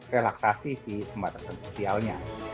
relaksasi si pembatasan sosialnya